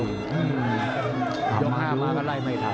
ยก๕มาก็ไล่ไม่ทัน